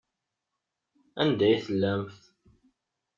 Anda i tellamt?